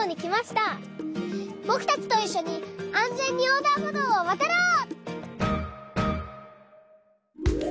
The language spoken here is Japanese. ぼくたちといっしょにあんぜんにおうだんほどうをわたろう！